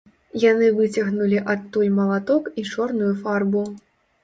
Яны выцягнулі адтуль малаток і чорную фарбу.